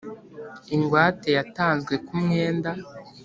ingwate yatanzwe ku mwenda